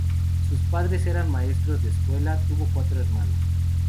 Sus padres eran maestros de escuela, tuvo cuatro hermanos.